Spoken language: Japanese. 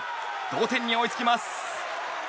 同点に追いつきます。